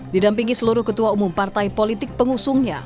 didampingi seluruh ketua umum partai politik pengusungnya